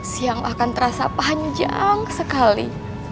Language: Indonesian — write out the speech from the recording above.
siang akan terasa panjang sekali